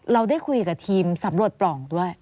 เราได้คุยกับทีมสำรวจปล่องด้วย